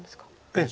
ええ。